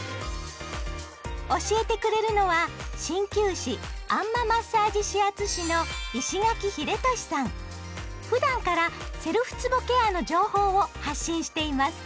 教えてくれるのは鍼灸師あん摩マッサージ指圧師のふだんからセルフつぼケアの情報を発信しています。